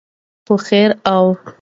په خیر او